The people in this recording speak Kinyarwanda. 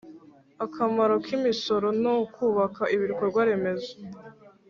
Akamaro kimisoro nukubaka ibikorwa remezo